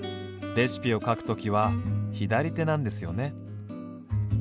レシピを書くときは左手なんですよね。